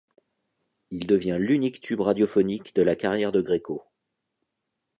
Il devient l'unique tube radiophonique de la carrière de Gréco.